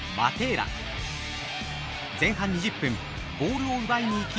前半２０分ボールを奪いにいき